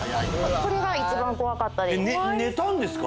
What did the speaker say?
これが一番怖かったです。